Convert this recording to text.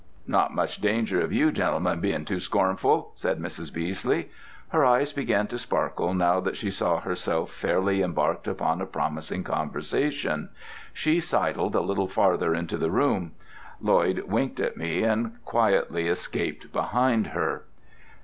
"Not much danger of you gentlemen bein' too scornful," said Mrs. Beesley. Her eyes began to sparkle now that she saw herself fairly embarked upon a promising conversation. She sidled a little farther into the room. Lloyd winked at me and quietly escaped behind her.